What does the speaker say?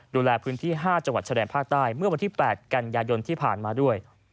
ดูแลพื้นที่๕จังหวัดชายแดนภาคใต้เมื่อวันที่๘กันยายนที่ผ่านมาด้วย